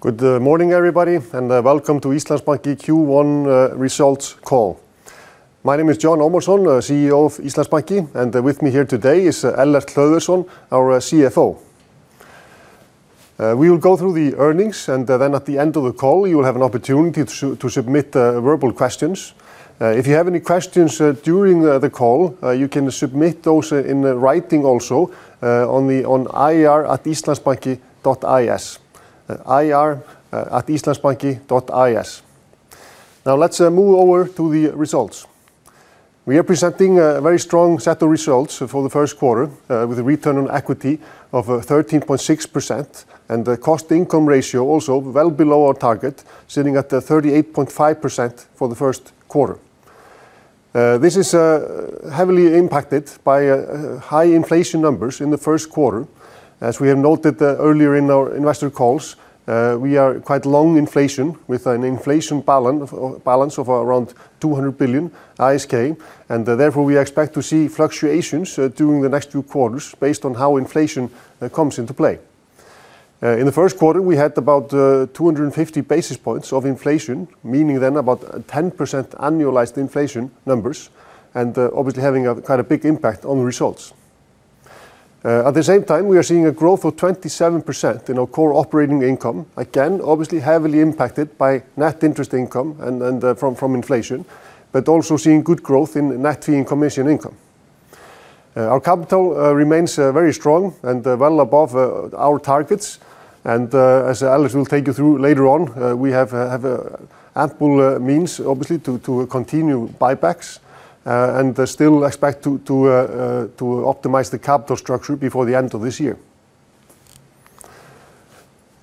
Good morning, everybody, welcome to Íslandsbanki Q1 results call. My name is Jón Ómarsson, CEO of Íslandsbanki, and with me here today is Ellert Hlöðversson, our CFO. We will go through the earnings, then at the end of the call, you will have an opportunity to submit verbal questions. If you have any questions during the call, you can submit those in writing also on ir@islandsbanki.is. Now let's move over to the results. We are presenting a very strong set of results for the first quarter with a return on equity of 13.6% and the cost-income ratio also well below our target, sitting at 38.5% for the first quarter. This is heavily impacted by high inflation numbers in the first quarter. As we have noted earlier in our investor calls, we are quite long inflation with an inflation balance of around 200 billion ISK, and therefore we expect to see fluctuations during the next two quarters based on how inflation comes into play. In the first quarter, we had about 250 basis points of inflation, meaning then about 10% annualized inflation numbers, and obviously having a kind of big impact on the results. At the same time, we are seeing a growth of 27% in our core operating income. Again, obviously heavily impacted by net interest income from inflation, but also seeing good growth in net fee and commission income. Our capital remains very strong and well above our targets, and as Ellert will take you through later on, we have ample means obviously to continue buybacks, and still expect to optimize the capital structure before the end of this year.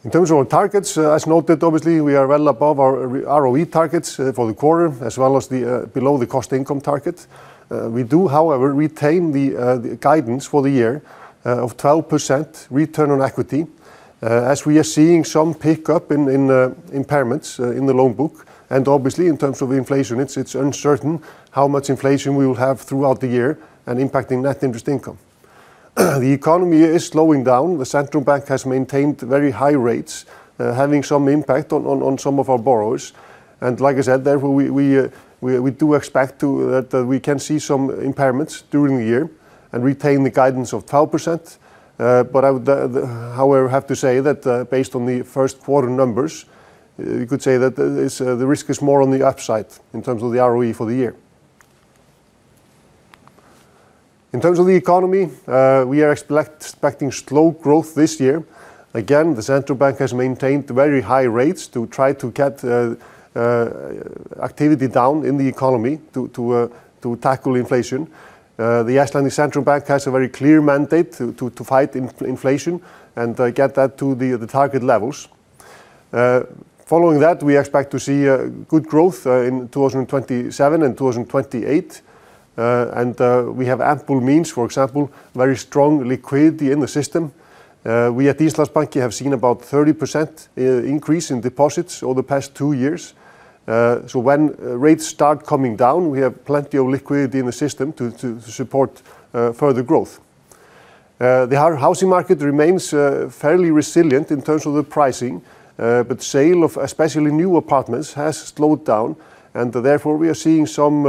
In terms of our targets, as noted, obviously, we are well above our ROE targets, for the quarter, as well as the below the cost-income target. We do, however, retain the guidance for the year, of 12% return on equity, as we are seeing some pickup in impairments in the loan book, and obviously in terms of inflation, it's uncertain how much inflation we will have throughout the year and impacting net interest income. The economy is slowing down. The Central Bank has maintained very high rates, having some impact on some of our borrowers. Like I said, therefore we do expect that we can see some impairments during the year and retain the guidance of 12%, but I would however have to say that based on the first quarter numbers, you could say that it's the risk is more on the upside in terms of the ROE for the year. In terms of the economy, we are expecting slow growth this year. Again, the Central Bank has maintained very high rates to try to get activity down in the economy to tackle inflation. The Iceland Central Bank has a very clear mandate to fight inflation and get that to the target levels. Following that, we expect to see good growth in 2027 and 2028, and we have ample means, for example, very strong liquidity in the system. We at Íslandsbanki have seen about 30% increase in deposits over the past two years. When rates start coming down, we have plenty of liquidity in the system to support further growth. The housing market remains fairly resilient in terms of the pricing, but sale of especially new apartments has slowed down. Therefore we are seeing some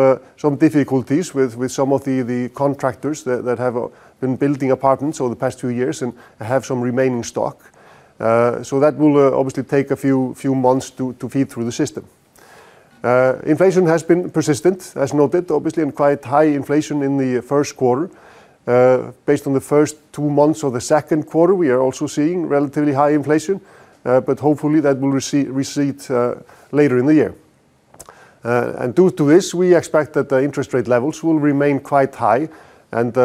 difficulties with some of the contractors that have been building apartments over the past two years and have some remaining stock. That will obviously take a few months to feed through the system. Inflation has been persistent, as noted, obviously, and quite high inflation in the first quarter. Based on the first two months of the second quarter, we are also seeing relatively high inflation. Hopefully that will recede later in the year. Due to this, we expect that the interest rate levels will remain quite high and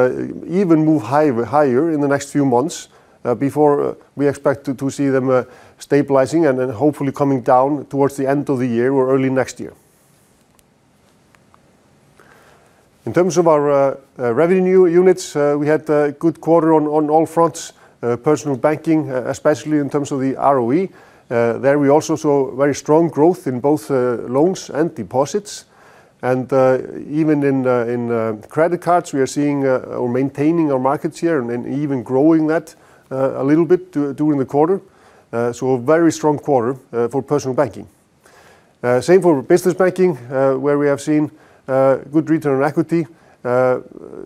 even move higher in the next few months, before we expect to see them stabilizing and hopefully coming down towards the end of the year or early next year. In terms of our revenue units, we had a good quarter on all fronts. Personal banking, especially in terms of the ROE, there we also saw very strong growth in both loans and deposits. Even in credit cards, we are seeing or maintaining our market share and then even growing that a little bit during the quarter, so a very strong quarter for Personal Banking. Same for Business Banking, where we have seen good return on equity,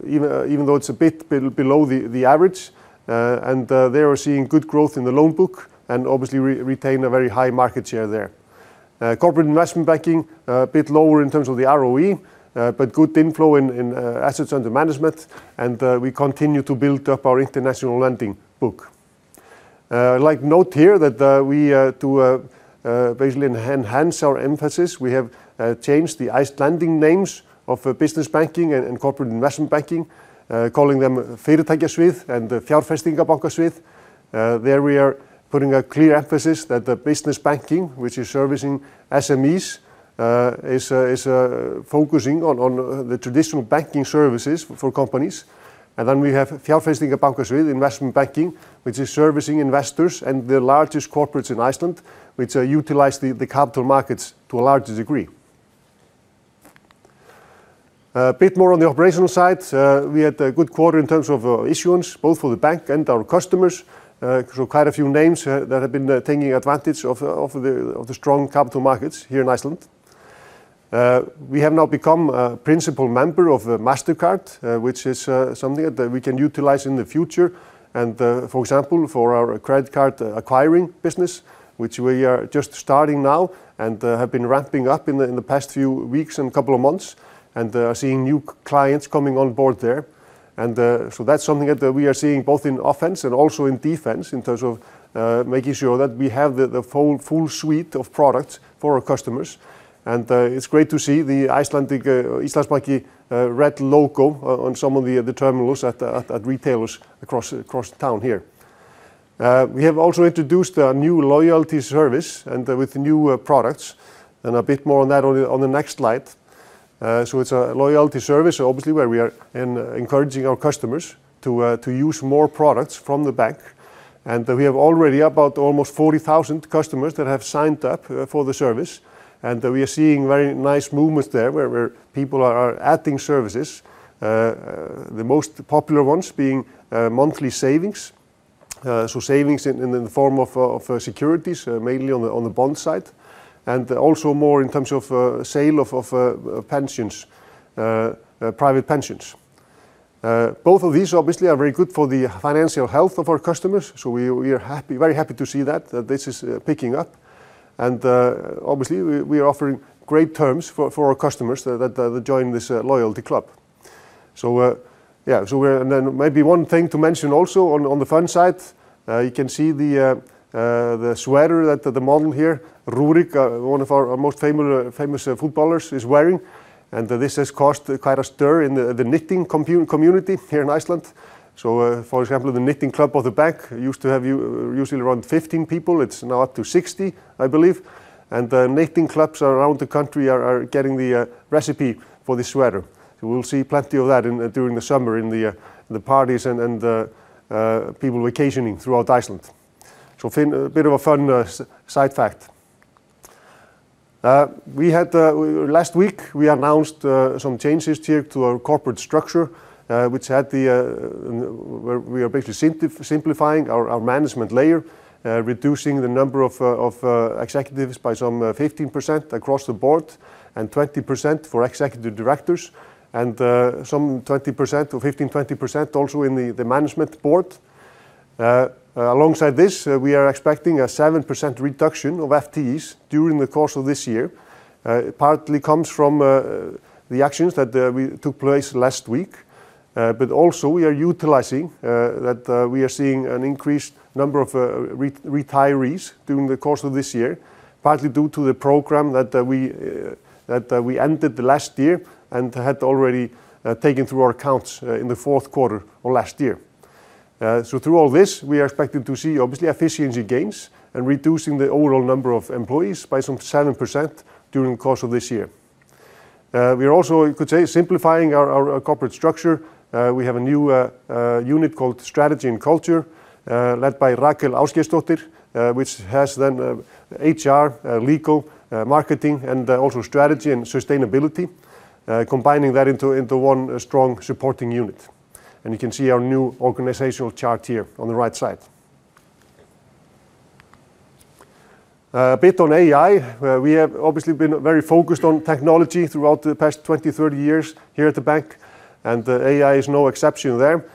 even though it's a bit below the average, and there we're seeing good growth in the loan book and obviously retain a very high market share there. Corporate Investment Banking, a bit lower in terms of the ROE, but good inflow in assets under management, and we continue to build up our international lending book. I'd like note here that we to basically enhance our emphasis, we have changed the Icelandic names of Business Banking and Corporate Investment Banking, calling them Fyrirtækjasvið and Fjárfestingabankasvið. There we are putting a clear emphasis that the Business Banking, which is servicing SMEs, is focusing on the traditional banking services for companies, and then we have Fjárfestingabankasvið, Investment Banking, which is servicing investors and the largest corporates in Iceland, which utilize the capital markets to a large degree. A bit more on the operational side. We had a good quarter in terms of issuance both for the bank and our customers, through quite a few names that have been taking advantage of the strong capital markets here in Iceland. We have now become a principal member of Mastercard, which is something that we can utilize in the future and, for example, for our credit card acquiring business, which we are just starting now and have been ramping up in the past few weeks and couple of months and seeing new clients coming on board there. That's something that we are seeing both in offense and also in defense in terms of making sure that we have the full suite of products for our customers. It's great to see the Icelandic Íslandsbanki red logo on some of the terminals at retailers across town here. We have also introduced a new loyalty service and with new products, and a bit more on the next slide. It's a loyalty service, obviously, where we are encouraging our customers to use more products from the bank. We have already about almost 40,000 customers that have signed up for the service. We are seeing very nice movements there where people are adding services. The most popular ones being monthly savings, so savings in the form of securities, mainly on the bond side, and also more in terms of sale of pensions, private pensions. Both of these obviously are very good for the financial health of our customers, we are happy, very happy to see that this is picking up. Obviously, we are offering great terms for our customers that join this loyalty club. Yeah. Maybe one thing to mention also on the fun side, you can see the sweater that the model here, Rúrik, one of our most famous footballers, is wearing, this has caused quite a stir in the knitting community here in Iceland. For example, the knitting club of the bank used to have usually around 15 people. It's now up to 60, I believe. The knitting clubs around the country are getting the recipe for this sweater. We'll see plenty of that in during the summer in the parties and people vacationing throughout Iceland. This bit of a fun side fact. Last week, we announced some changes to our corporate structure, which had the where we are basically simplifying our management layer, reducing the number of executives by some 15% across the board and 20% for executive directors and some 20% or 15%-20% also in the management board. Alongside this, we are expecting a 7% reduction of FTEs during the course of this year. Partly comes from the actions that we took place last week. Also we are utilizing that we are seeing an increased number of retirees during the course of this year, partly due to the program that we ended last year and had already taken through our accounts in the fourth quarter of last year. Through all this, we are expecting to see obviously efficiency gains and reducing the overall number of employees by some 7% during the course of this year. We are also, you could say, simplifying our corporate structure. We have a new unit called Strategy and Culture, led by Rakel Ásgeirsdóttir, which has then HR, legal, marketing, and also strategy and sustainability, combining that into one strong supporting unit. You can see our new organizational chart here on the right side. A bit on AI. We have obviously been very focused on technology throughout the past 20 years, 30 years here at the bank, and the AI is no exception there.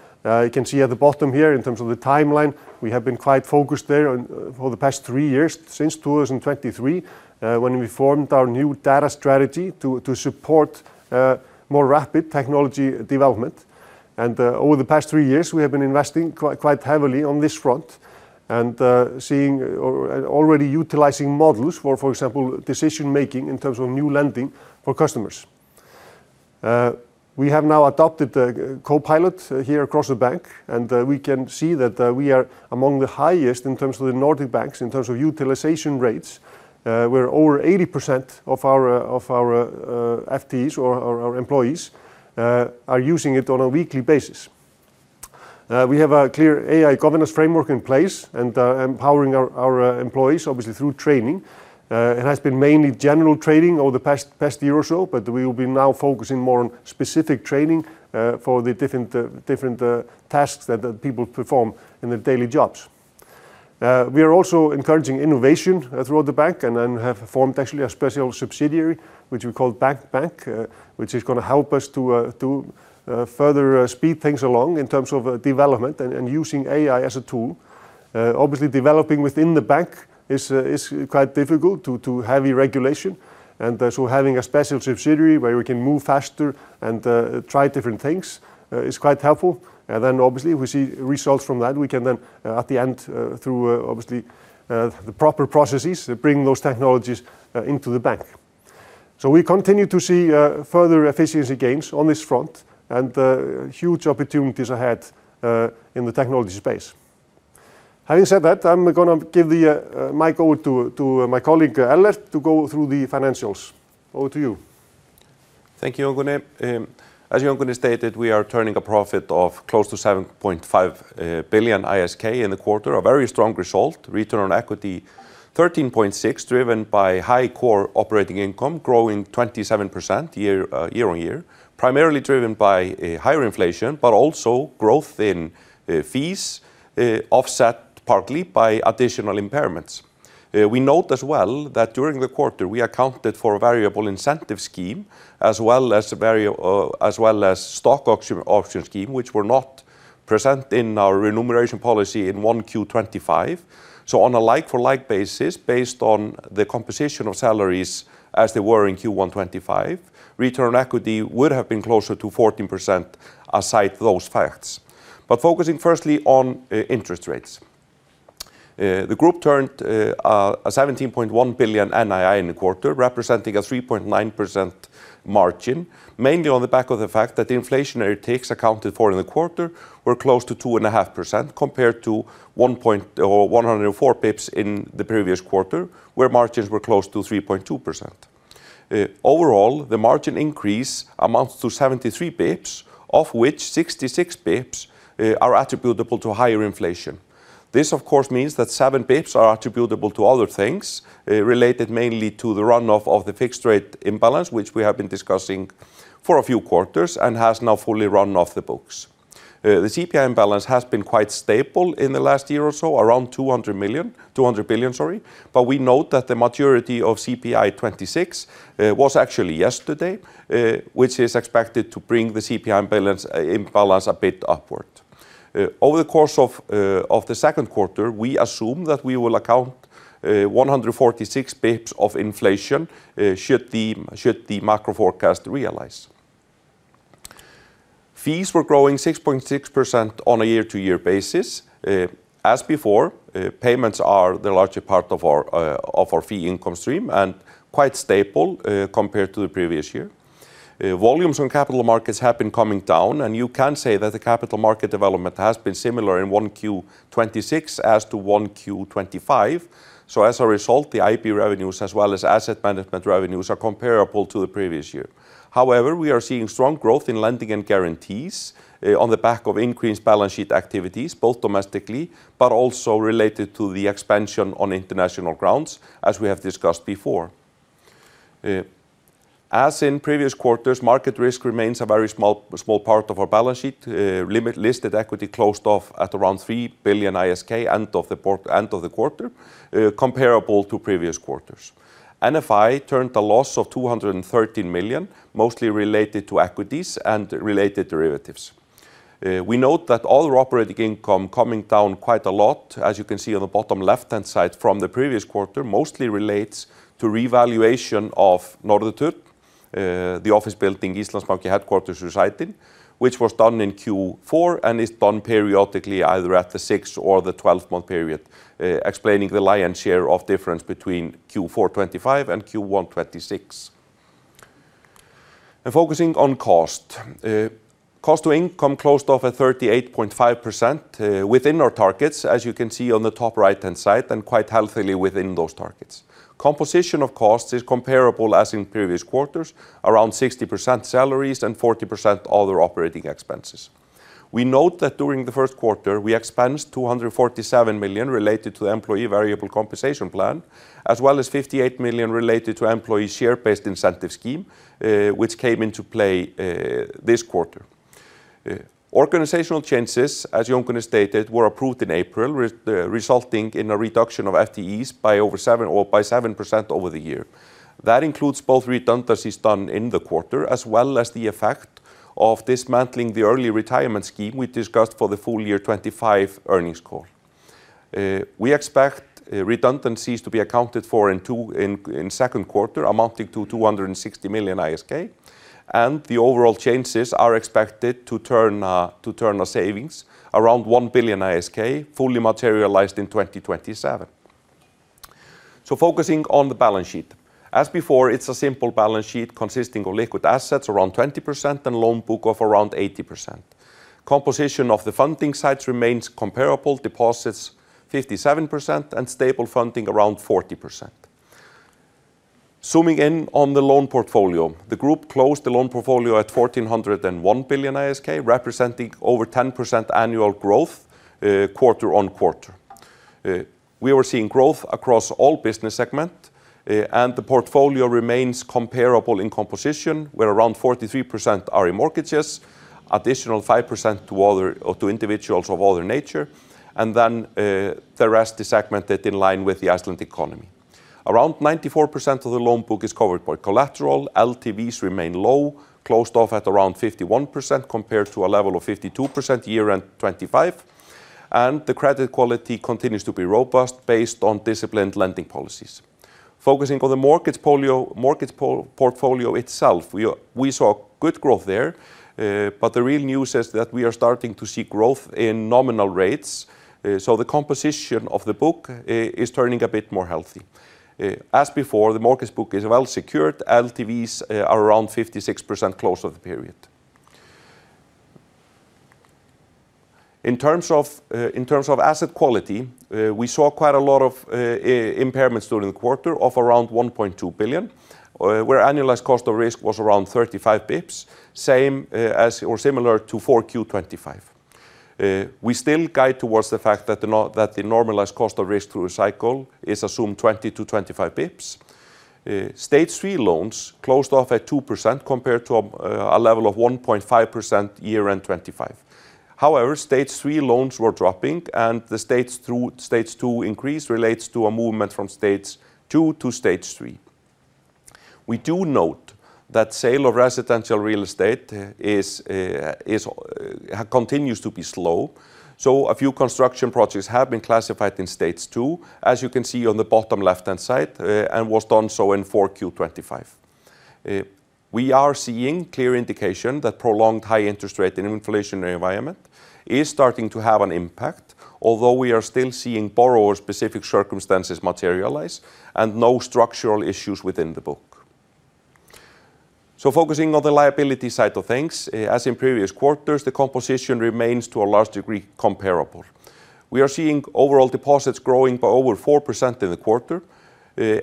You can see at the bottom here in terms of the timeline, we have been quite focused there on for the past three years since 2023, when we formed our new data strategy to support more rapid technology development. Over the past three years, we have been investing quite heavily on this front and seeing or already utilizing models for example, decision-making in terms of new lending for customers. We have now adopted the Copilot here across the bank, and we can see that we are among the highest in terms of the Nordic banks in terms of utilization rates. Where over 80% of our FTEs or our employees are using it on a weekly basis. We have a clear AI governance framework in place and empowering our employees obviously through training. It has been mainly general training over the past year or so, but we will be now focusing more on specific training for the different tasks that the people perform in their daily jobs. We are also encouraging innovation throughout the bank and have formed actually a special subsidiary which we call [Bakbank], which is gonna help us to further speed things along in terms of development and using AI as a tool. Obviously developing within the bank is quite difficult due to heavy regulation. Having a special subsidiary where we can move faster and try different things is quite helpful. Obviously, we see results from that. We can then, at the end, through obviously, the proper processes, bring those technologies into the bank. We continue to see further efficiency gains on this front and huge opportunities ahead in the technology space. Having said that, I'm gonna give the micro to my colleague, Ellert, to go through the financials. Over to you. Thank you, Guðni. As Jón Guðni stated, we are turning a profit of close to 7.5 billion ISK in the quarter. A very strong result. Return on equity 13.6%, driven by high core operating income growing 27% year-on-year, primarily driven by a higher inflation, also growth in fees, offset partly by additional impairments. We note as well that during the quarter, we accounted for a variable incentive scheme as well as a stock option scheme, which were not present in our remuneration policy in 1Q 2025. On a like-for-like basis, based on the composition of salaries as they were in Q1 2025, return equity would have been closer to 14% aside those facts. Focusing firstly on interest rates. The group turned 17.1 billion NII in the quarter, representing a 3.9% margin, mainly on the back of the fact that the inflationary takes accounted for in the quarter were close to 2.5% compared to 104 bps in the previous quarter, where margins were close to 3.2%. Overall, the margin increase amounts to 73 bps, of which 66 bps are attributable to higher inflation. This, of course, means that 7 bps are attributable to other things, related mainly to the runoff of the fixed rate imbalance, which we have been discussing for a few quarters and has now fully run off the books. The CPI imbalance has been quite stable in the last year or so, around 200 billion, but we note that the maturity of CPI 2026 was actually yesterday, which is expected to bring the CPI imbalance upward. Over the course of the second quarter, we assume that we will account 146 bps of inflation should the macro forecast realize. Fees were growing 6.6% on a year-to-year basis. As before, payments are the larger part of our fee income stream and quite stable compared to the previous year. Volumes on capital markets have been coming down. You can say that the capital market development has been similar in 1Q 2026 as to 1Q 2025. As a result, the IB revenues as well as asset management revenues are comparable to the previous year. We are seeing strong growth in lending and guarantees on the back of increased balance sheet activities, both domestically, but also related to the expansion on international grounds, as we have discussed before. As in previous quarters, market risk remains a very small part of our balance sheet. Limit listed equity closed off at around 3 billion ISK end of the quarter, comparable to previous quarters. NFI turned a loss of 213 million, mostly related to equities and related derivatives. We note that all operating income coming down quite a lot, as you can see on the bottom left-hand side from the previous quarter, mostly relates to revaluation of Norðurturn, the office building Íslandsbanki headquarters residing, which was done in Q4 and is done periodically either at the 6th or the 12-month period, explaining the lion share of difference between Q4 2025 and Q1 2026. Focusing on cost. Cost to income closed off at 38.5%, within our targets, as you can see on the top right-hand side, and quite healthily within those targets. Composition of costs is comparable as in previous quarters, around 60% salaries and 40% other operating expenses. We note that during the first quarter, we expensed 247 million related to the employee variable compensation plan, as well as 58 million related to employee share-based incentive scheme, which came into play this quarter. Organizational changes, as Jón Guðni stated, were approved in April, resulting in a reduction of FTEs by 7% over the year. That includes both redundancies done in the quarter, as well as the effect of dismantling the early retirement scheme we discussed for the full year 2025 earnings call. We expect redundancies to be accounted for in second quarter, amounting to 260 million ISK, and the overall changes are expected to turn a savings around 1 billion ISK, fully materialized in 2027. Focusing on the balance sheet. As before, it's a simple balance sheet consisting of liquid assets around 20% and loan book of around 80%. Composition of the funding sides remains comparable, deposits 57% and stable funding around 40%. Zooming in on the loan portfolio. The Group closed the loan portfolio at 1,401 billion, representing over 10% annual growth, quarter-on-quarter. We were seeing growth across all business segment, and the portfolio remains comparable in composition, where around 43% are in mortgages, additional 5% to other or to individuals of other nature, the rest is segmented in line with the Iceland economy. Around 94% of the loan book is covered by collateral. LTVs remain low, closed off at around 51% compared to a level of 52% year-end 2025. The credit quality continues to be robust based on disciplined lending policies. Focusing on the mortgage portfolio itself. We saw good growth there, the real news is that we are starting to see growth in nominal rates, the composition of the book is turning a bit more healthy. As before, the mortgage book is well secured. LTVs are around 56% close of the period. In terms of asset quality, we saw quite a lot of impairments during the quarter of around 1.2 billion, where annualized cost of risk was around 35 bps, same as or similar to 4Q 2025. We still guide towards the fact that the normalized cost of risk through a cycle is assumed 20 bps-25 bps. Stage 3 loans closed off at 2% compared to a level of 1.5% year-end 2025. Stage 3 loans were dropping, and the Stage 2 increase relates to a movement from Stage 2 to Stage 3. We do note that sale of residential real estate continues to be slow, so a few construction projects have been classified in Stage 2, as you can see on the bottom left-hand side, and was done so in 4Q 2025. We are seeing clear indication that prolonged high interest rate and inflationary environment is starting to have an impact, although we are still seeing borrower-specific circumstances materialize and no structural issues within the book. Focusing on the liability side of things, as in previous quarters, the composition remains to a large degree comparable. We are seeing overall deposits growing by over 4% in the quarter,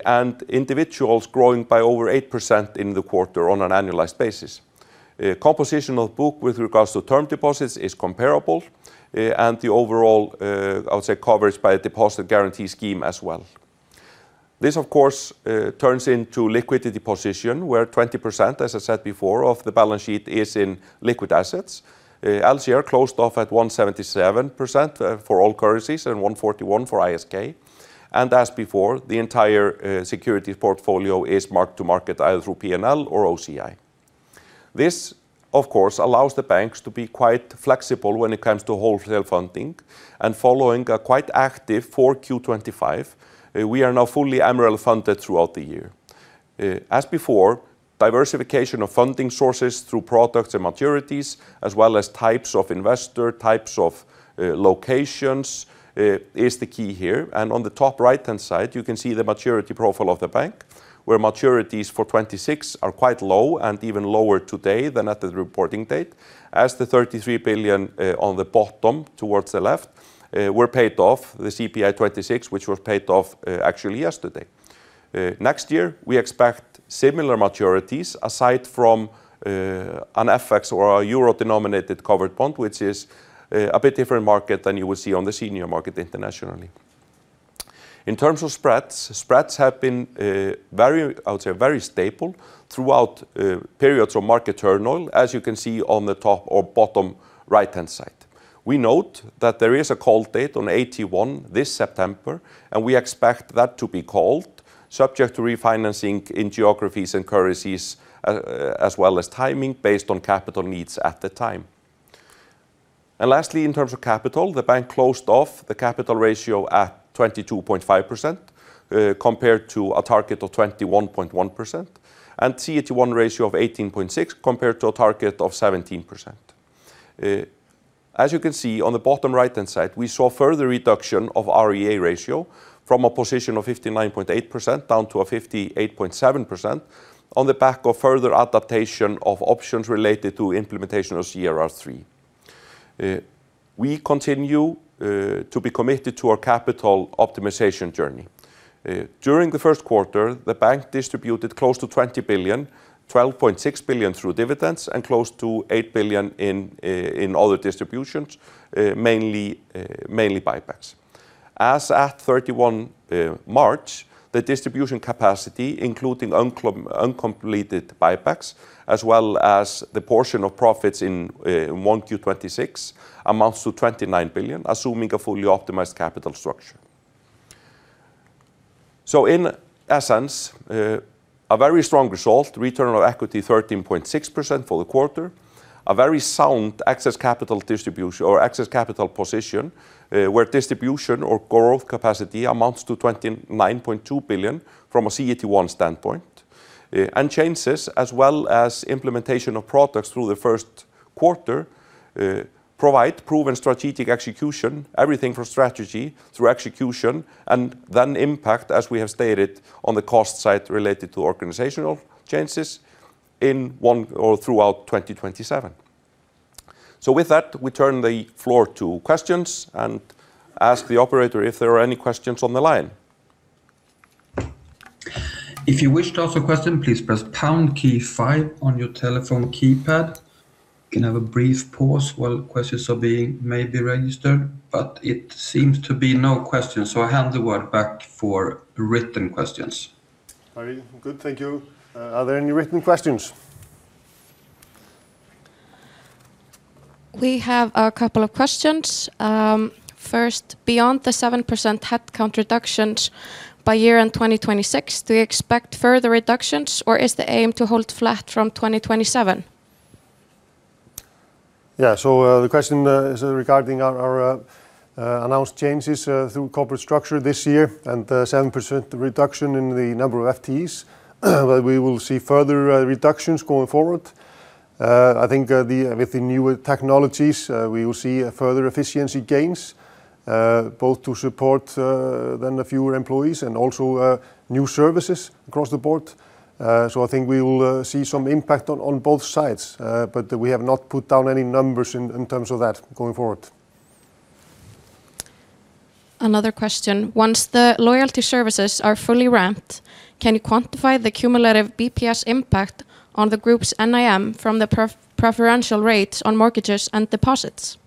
and individuals growing by over 8% in the quarter on an annualized basis. Composition of book with regards to term deposits is comparable, and the overall, I would say, coverage by a deposit guarantee scheme as well. This, of course, turns into liquidity position where 20%, as I said before, of the balance sheet is in liquid assets. LCR closed off at 177%, for all currencies and 141% for ISK. As before, the entire security portfolio is marked to market either through P&L or OCI. This, of course, allows the banks to be quite flexible when it comes to wholesale funding. Following a quite active 4Q 2025, we are now fully MREL funded throughout the year. As before, diversification of funding sources through products and maturities as well as types of investor, types of locations, is the key here. On the top right-hand side, you can see the maturity profile of the bank, where maturities for 2026 are quite low and even lower today than at the reporting date, as the 33 billion on the bottom towards the left, were paid off, the CPI 2026, which was paid off actually yesterday. Next year we expect similar maturities aside from an FX or a euro-denominated covered bond, which is a bit different market than you would see on the senior market internationally. In terms of spreads have been very, I would say, very stable throughout periods of market turmoil, as you can see on the top or bottom right-hand side. We note that there is a call date on AT1 this September. We expect that to be called subject to refinancing in geographies and currencies, as well as timing based on capital needs at the time. Lastly, in terms of capital, the bank closed off the capital ratio at 22.5% compared to a target of 21.1%, and CET1 ratio of 18.6% compared to a target of 17%. As you can see on the bottom right-hand side, we saw further reduction of REA ratio from a position of 59.8% down to a 58.7% on the back of further adaptation of options related to implementation of CRR3. We continue to be committed to our capital optimization journey. During the first quarter, the bank distributed close to 20 billion, 12.6 billion through dividends and close to 8 billion in other distributions, mainly buybacks. As at 31 March, the distribution capacity, including uncompleted buybacks as well as the portion of profits in 1Q 2026, amounts to 29 billion, assuming a fully optimized capital structure. In essence, a very strong result, return on equity 13.6% for the quarter, a very sound excess capital distribution or excess capital position, where distribution or growth capacity amounts to 29.2 billion from a CET1 standpoint. Changes as well as implementation of products through the first quarter, provide proven strategic execution, everything from strategy through execution, and then impact, as we have stated, on the cost side related to organizational changes in one or throughout 2027. With that, we turn the floor to questions and ask the operator if there are any questions on the line. If you wish to ask a question, please press pound key five on your telephone keypad. You can have a brief pause while questions are being maybe registered. It seems to be no question. I hand the word back for written questions. Very good, thank you. Are there any written questions? We have a couple of questions. First, beyond the 7% headcount reductions by year-end 2026, do you expect further reductions, or is the aim to hold flat from 2027? The question is regarding our announced changes through corporate structure this year and 7% reduction in the number of FTEs, whether we will see further reductions going forward. I think, with the newer technologies, we will see further efficiency gains, both to support then the fewer employees and also new services across the board. I think we will see some impact on both sides. We have not put down any numbers in terms of that going forward. Another question. Once the loyalty services are fully ramped, can you quantify the cumulative BPS impact on the group's NIM from the preferential rates on mortgages and deposits?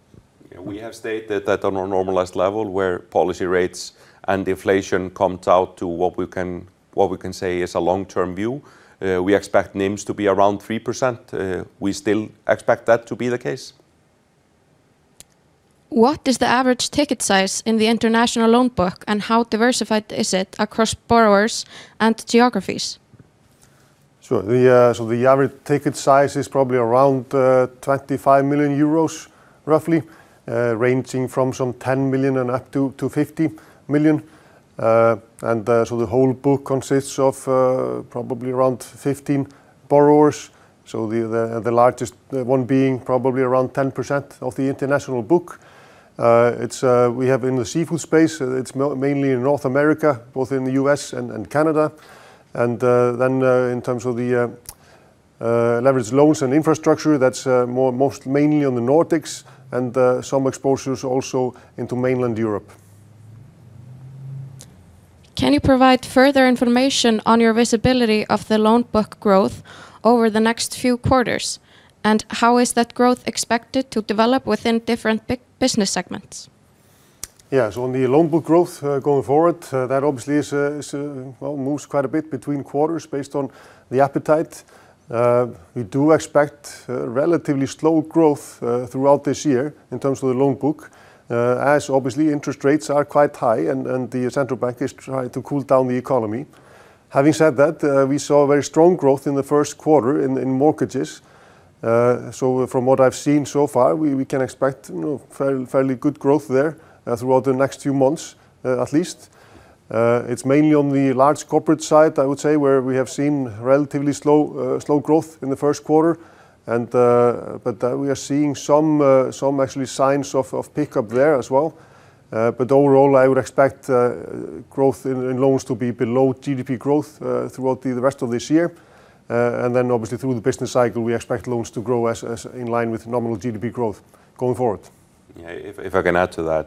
Yeah, we have stated that on a normalized level, where policy rates and inflation calms out to what we can say is a long-term view, we expect NIMs to be around 3%. We still expect that to be the case. What is the average ticket size in the international loan book, and how diversified is it across borrowers and geographies? The average ticket size is probably around 25 million euros, roughly, ranging from some 10 million and up to 50 million. The whole book consists of probably around 15 borrowers, the largest one being probably around 10% of the international book. We have in the seafood space, mainly in North America, both in the U.S. and Canada. In terms of the leveraged loans and infrastructure, that's mainly in the Nordics and some exposures also into mainland Europe. Can you provide further information on your visibility of the loan book growth over the next few quarters, and how is that growth expected to develop within different business segments? Yeah. On the loan book growth, going forward, that obviously is, well, moves quite a bit between quarters based on the appetite. We do expect relatively slow growth throughout this year in terms of the loan book, as obviously interest rates are quite high and the Central Bank is trying to cool down the economy. Having said that, we saw very strong growth in the first quarter in mortgages. From what I've seen so far, we can expect, you know, fairly good growth there throughout the next few months, at least. It's mainly on the large corporate side, I would say, where we have seen relatively slow growth in the first quarter. We are seeing some actually signs of pickup there as well. Overall, I would expect growth in loans to be below GDP growth throughout the rest of this year. Then obviously through the business cycle, we expect loans to grow as in line with nominal GDP growth going forward. Yeah. If I can add to that,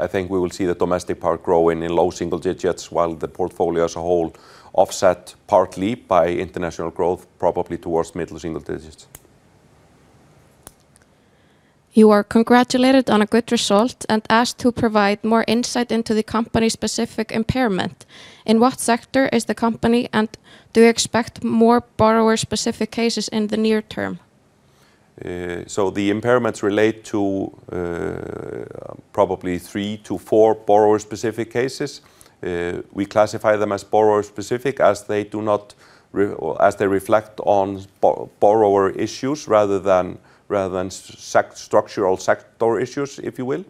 I think we will see the domestic part growing in low single digits, while the portfolio as a whole offset partly by international growth probably towards middle single digits. You are congratulated on a good result and asked to provide more insight into the company's specific impairment. In what sector is the company, and do you expect more borrower-specific cases in the near term? The impairments relate to probably three to four borrower-specific cases. We classify them as borrower-specific as they do not or as they reflect on borrower issues rather than structural sector issues, if you will.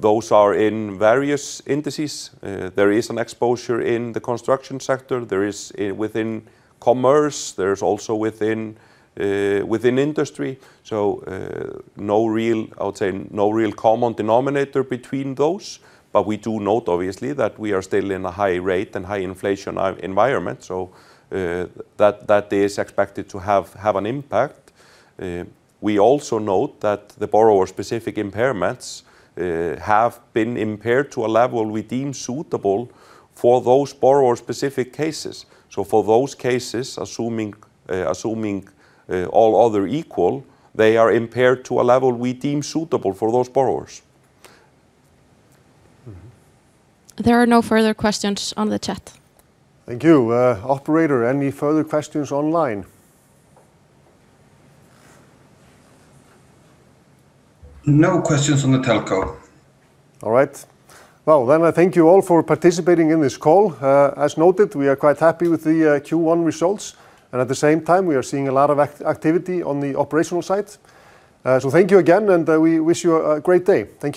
Those are in various indices. There is an exposure in the construction sector. There is within commerce. There's also within industry. No real I would say no real common denominator between those. We do note obviously that we are still in a high-rate and high-inflation environment, so that is expected to have an impact. We also note that the borrower-specific impairments have been impaired to a level we deem suitable for those borrower-specific cases. For those cases, assuming all other equal, they are impaired to a level we deem suitable for those borrowers. There are no further questions on the chat. Thank you. Operator, any further questions online? No questions on the telecall. All right. Well, I thank you all for participating in this call. As noted, we are quite happy with the Q1 results, at the same time, we are seeing a lot of activity on the operational side. Thank you again, we wish you a great day. Thank you.